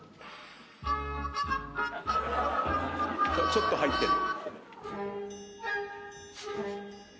ちょっと入ってる。